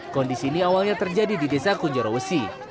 kondisi ini awalnya terjadi di desa kunjoro wesi